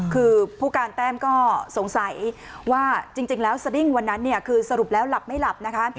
คือผู้การแต้มก็สงสัยว่าจริงแล้วสดิ้งวันนั้นเนี่ยคือสรุปแล้วหลับไม่หลับนะคะ